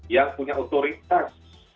yang punya otoritas